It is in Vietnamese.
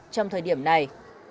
trong thời điểm này